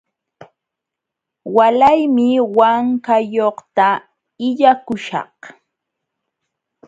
Walaymi Wankayuqta illakuśhaq.